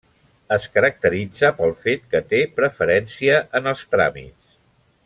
Es caracteritza pel fet que té preferència en els tràmits.